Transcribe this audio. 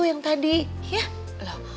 yang tadi ya